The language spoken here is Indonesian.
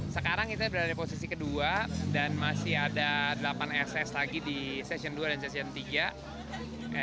sekarang kita berada di posisi kedua dan masih ada delapan ss lagi di sesi kedua dan sesi ketiga